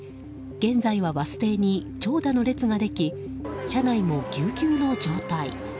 現在はバス停に長蛇の列ができ車内もぎゅうぎゅうの状態。